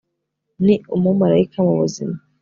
ni umumarayika mubuzima